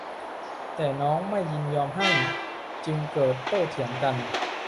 แต่น้องไม่ยินยอมให้จึงเกิดโต้เถียงกัน